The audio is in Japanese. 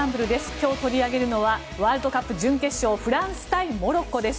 今日取り上げるのはワールドカップ準決勝フランス対モロッコです。